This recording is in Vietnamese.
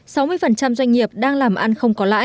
sáu mươi doanh nghiệp đang làm ăn không có lãi